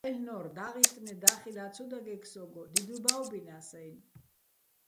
აილ'ნორ: დაღისტნე და́ხილა́ ცო დაგეგ სო́გო, დიდუჲ ბა́ვბინას-აჲნო̆.